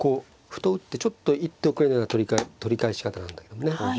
歩と打ってちょっと一手遅れたような取り返し方なんだけどね。